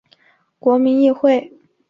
国民议会。